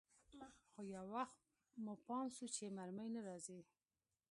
خو يو وخت مو پام سو چې مرمۍ نه راځي.